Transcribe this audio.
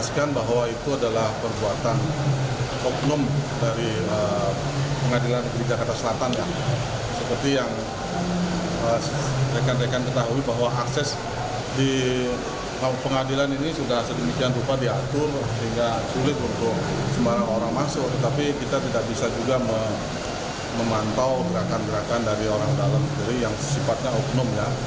kita memantau gerakan gerakan dari orang dalam negeri yang sifatnya oknumnya